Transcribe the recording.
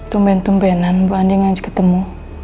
tumben tumbenan bu andin ngaji ketemu